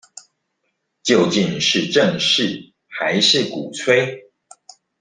究竟是正視還是鼓吹